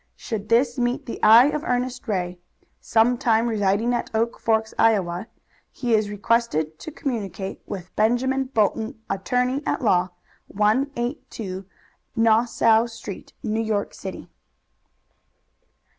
Should this meet the eye of Ernest Ray, some time residing at Oak Forks, Iowa, he is requested to communicate with Benjamin Bolton, Attorney at Law, 182 Nassau Street, New York City.